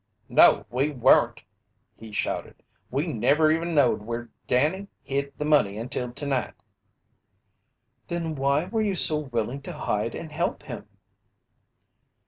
"No, we weren't!" he shouted. "We never even knowed where Danny hid the money until tonight!" "Then why were you so willing to hide and help him?"